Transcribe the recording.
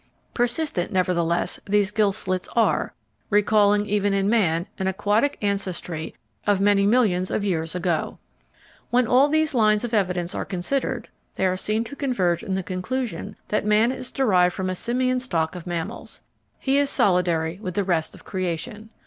Persistent, nevertheless, these gill slits are, recalling even in man an aquatic ancestry of many millions of years ago. When all these lines of evidence are considered, they are seen to converge in the conclusion that man is derived from a simian stock of mammals. He is solidary with the rest of creation.